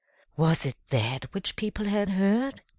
Was it that which people had heard?